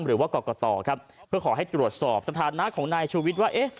หรือว่ากรกตเพื่อขอให้ตรวจสอบสถานะของนายชวิตว่า